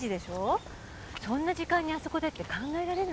そんな時間にあそこでって考えられない。